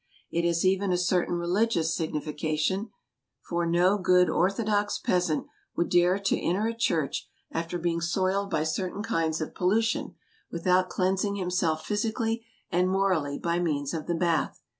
It has even a certain religious signification, for no good orthodox peasant would dare to enter a church after EUROPE 209 being soiled by certain kinds of pollution without cleansing himself physically and morally by means of the bath.